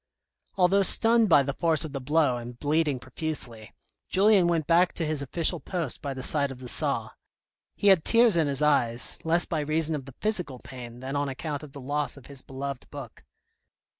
Although stunned by the force of the blow and bleeding profusely, Julien went back to his official post by the side of the saw. He had tears in his eyes, less by reason of the physical pain than on account of the loss of his beloved book.